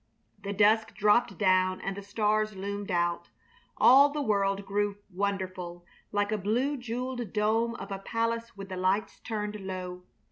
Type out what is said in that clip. The dusk dropped down and the stars loomed out. All the world grew wonderful, like a blue jeweled dome of a palace with the lights turned low.